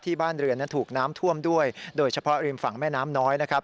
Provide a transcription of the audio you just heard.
บ้านเรือนนั้นถูกน้ำท่วมด้วยโดยเฉพาะริมฝั่งแม่น้ำน้อยนะครับ